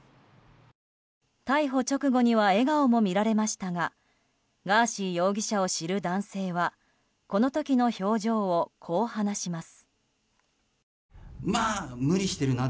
逮捕直後には笑顔も見られましたがガーシー容疑者を知る男性はこの時の表情をこう話します。